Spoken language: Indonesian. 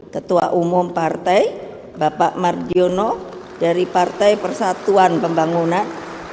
ketua umum partai bapak margiono dari partai persatuan pembangunan